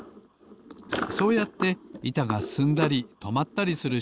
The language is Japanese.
そうやっていたがすすんだりとまったりする